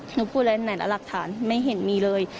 หนูพูดอะไรไหนนะหลักฐานไม่เห็นมีเลย